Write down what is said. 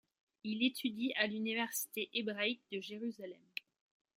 Il étudie à l'université hébraïque de Jérusalem.